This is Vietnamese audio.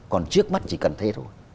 còn trước mắt chỉ cần thế thôi